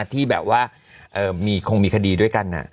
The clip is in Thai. ที่แบบว่าคงมีคดีด้วยกัน